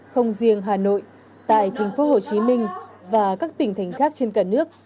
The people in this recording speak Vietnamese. không riêng hà nội tại tp hcm và các tỉnh thành khác trên cả nước